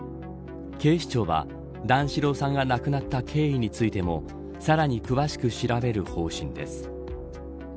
警視庁は段四郎さんが亡くなった経緯についてもさらに詳しく調べる方針です。